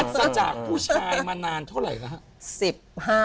หลังจากผู้ชายมานานเท่าไหร่หรอฮะ